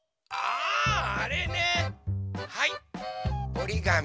おりがみ。